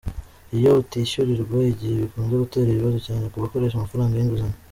Iyo utishyurirwa igihe bikunze gutera ibibazo, cyane ku bakoresha amafaranga y’inguzanyo.